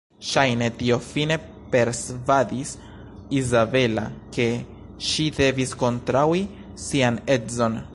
Ŝajne tio fine persvadis Izabela ke ŝi devis kontraŭi sian edzon.